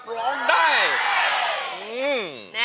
ร้องได้นะ